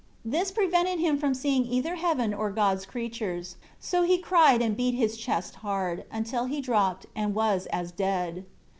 This prevented him from seeing either heaven or God's creatures. So he cried and beat his chest hard, until he dropped, and was as dead.